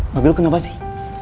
mobil kenapa sih